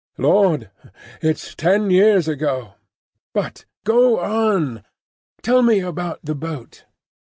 Lord! It's ten years ago. But go on! go on! tell me about the boat."